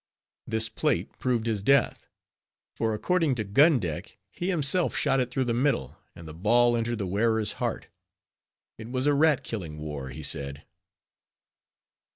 This plate proved his death; for, according to Gun Deck, he himself shot it through the middle, and the ball entered the wearer's heart. It was a rat killing war, he said.